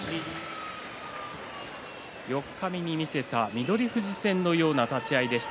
四日目に見せた翠富士戦のような立ち合いでした。